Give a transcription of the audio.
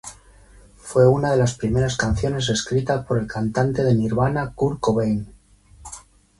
Fue una de las primeras canciones escritas por el cantante de Nirvana, Kurt Cobain.